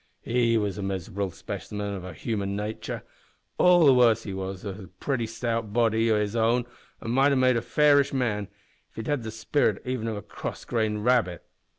He was a miserable specimen o' human natur' all the worse that he had a pretty stout body o' his own, an' might have made a fairish man if he'd had the spirit even of a cross grained rabbit.